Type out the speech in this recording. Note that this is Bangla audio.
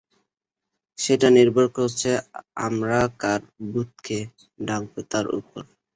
সেটা নির্ভর করছে আমরা কার ভূতকে ডাকবো তার ওপর।